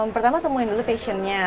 pertama temuin dulu passionnya